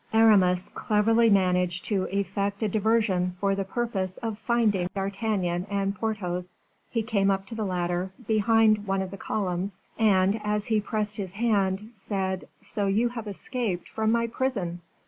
Aramis cleverly managed to effect a diversion for the purpose of finding D'Artagnan and Porthos. He came up to the latter, behind one of the columns, and, as he pressed his hand, said, "So you have escaped from my prison?"